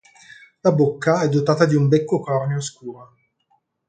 La bocca è dotata di un becco corneo scuro.